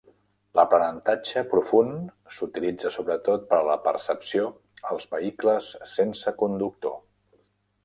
L'aprenentatge profund s'utilitza sobretot per a la percepció als vehicles sense conductor.